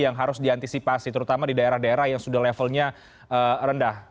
yang harus diantisipasi terutama di daerah daerah yang sudah levelnya rendah